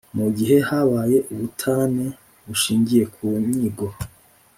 Mu gihe habaye ubutane bushingiye ku nyigo